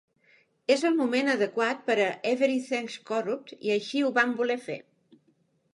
És el moment adequat per a "Everythang's Corrupt", i així ho vam voler fer.